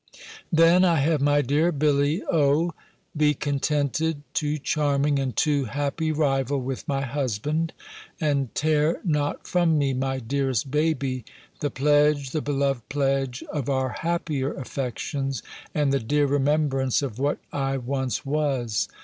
Then I have my dear Billy O be contented, too charming, and too happy rival, with my husband; and tear not from me my dearest baby, the pledge, the beloved pledge, of our happier affections, and the dear remembrance of what I once was!